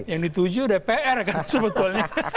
yang dituju dpr kan sebetulnya